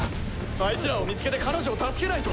あいつらを見つけて彼女を助けないと。